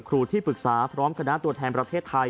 ที่ปรึกษาพร้อมคณะตัวแทนประเทศไทย